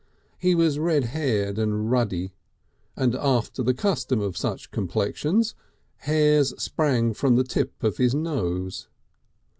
He was red haired and ruddy, and after the custom of such complexions, hairs sprang from the tip of his nose.